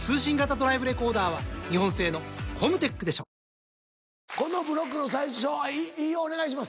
ニトリこのブロックの最初は飯尾お願いします。